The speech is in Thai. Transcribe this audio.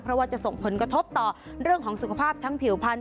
เพราะว่าจะส่งผลกระทบต่อเรื่องของสุขภาพทั้งผิวพันธ